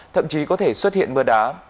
thậm chí có thể xuất hiện mưa đá